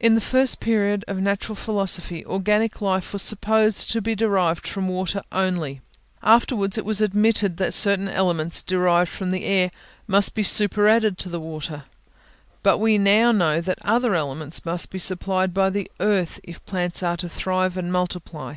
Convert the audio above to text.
In the first period of natural philosophy, organic life was supposed to be derived from water only; afterwards, it was admitted that certain elements derived from the air must be superadded to the water; but we now know that other elements must be supplied by the earth, if plants are to thrive and multiply.